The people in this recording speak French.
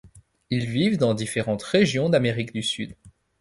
Ils vivent dans différentes régions d'Amérique du Sud.